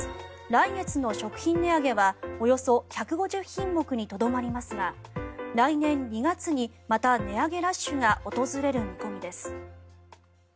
来月の食品値上げはおよそ１５０品目にとどまりますが来年２月にまた値上げラッシュが訪れる見込みです。